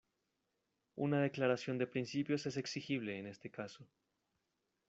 Una declaración de principios es exigible, en este caso.